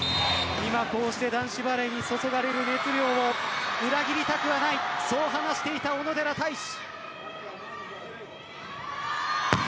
今、こうして男子バレーに注がれる熱量を裏切りたくはないそう話していた小野寺太志。